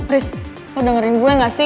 riz lo dengerin gue gak sih